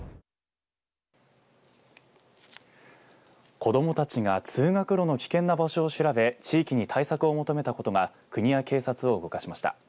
子どもたちが通学路の危険な場所を調べ地域に対策を求めたことが国や警察を動かしました。